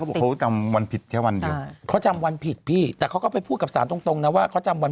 คือเขาผ่านชั้นต้นแล้วใช่ป่ะนี่ช่วงอุทธรณ์ใช่ป่ะ